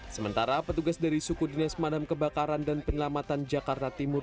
sementara petugas dari suku dinas pemadam kebakaran dan penyelamatan jakarta timur